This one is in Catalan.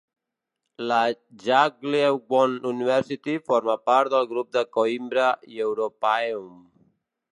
La Jagiellonian University forma part del Grup de Coimbra i Europaeum.